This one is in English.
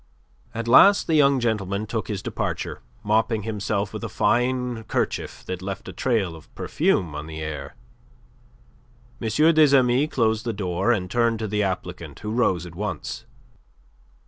At last the young gentleman took his departure, mopping himself with a fine kerchief that left a trail of perfume on the air. M. des Amis closed the door, and turned to the applicant, who rose at once.